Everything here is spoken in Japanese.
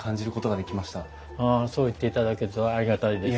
ああそう言っていただけるとありがたいです。